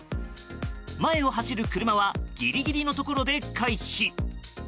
前を走る車はギリギリのところで回避。